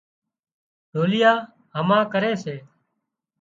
ڍوليئا هما ڪري سي